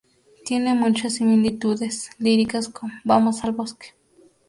Tiene muchas similitudes líricas con "Vamos al bosque".